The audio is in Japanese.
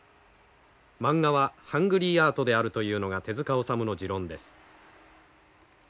マンガはハングリーアートであるというのが手塚治虫の持論です。